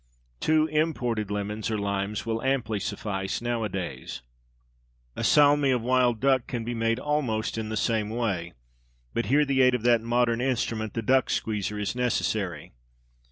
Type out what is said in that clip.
Two imported lemons (or limes) will amply suffice nowadays. A Salmi of Wild Duck can be made almost in the same way, but here the aid of that modern instrument the Duck Squeezer is necessary.